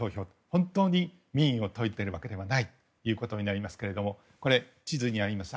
本当に民意を問いているわけではないということになりますけれどもこの地図にあります